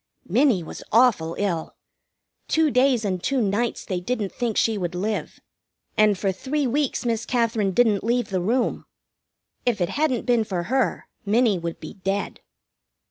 Minnie was awful ill. Two days and two nights they didn't think she would live, and for three weeks Miss Katherine didn't leave the room. If it hadn't been for her Minnie would be dead.